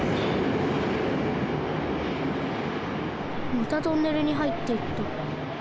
またトンネルにはいっていった。